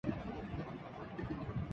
تودوسرے کی نفی کردیتا ہے۔